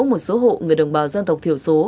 một số hộ người đồng bào dân tộc thiểu số